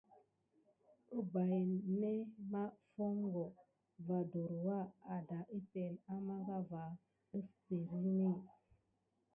Umpay ne mā foŋko va ɗurwa ada epəŋle amagava def perine.